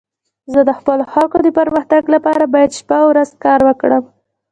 زه د خپلو خلکو د پرمختګ لپاره باید شپه او ورځ کار وکړم.